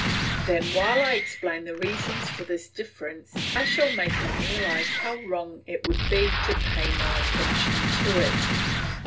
Then while I explain the reasons for this difference, I make him realise how wrong it would be to pay no attention to it.